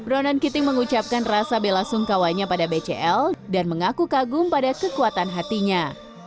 ronan kitting mengucapkan rasa bela sungkawanya pada bcl dan mengaku kagum pada kekuatan hatinya